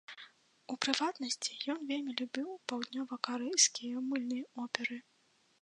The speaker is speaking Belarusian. У прыватнасці, ён вельмі любіў паўднёвакарэйскія мыльныя оперы.